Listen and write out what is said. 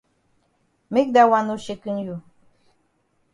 Make dat wan no shaken you.